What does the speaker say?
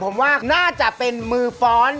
ผมว่าน่าจะเป็นมือฟ้อน